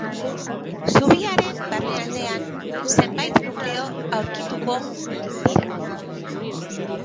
Zubiaren barnealdean zenbait nukleo aurkituko dira.